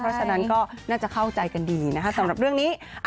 เพราะฉะนั้นก็น่าจะเข้าใจกันดีนะคะสำหรับเรื่องนี้